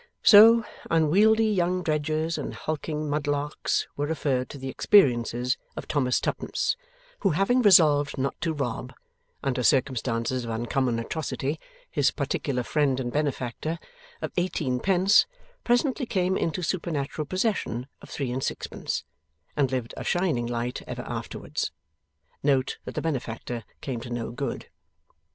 So, unwieldy young dredgers and hulking mudlarks were referred to the experiences of Thomas Twopence, who, having resolved not to rob (under circumstances of uncommon atrocity) his particular friend and benefactor, of eighteenpence, presently came into supernatural possession of three and sixpence, and lived a shining light ever afterwards. (Note, that the benefactor came to no good.)